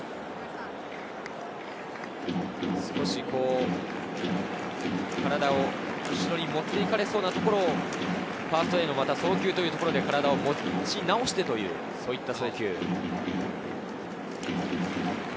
少し体を後ろにもっていかれそうなところをファーストへ送球というところで体を持ち直してという送球。